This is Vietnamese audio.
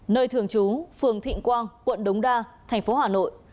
nơi thường trú phường thịnh quang quận đống đa thành phố hà nội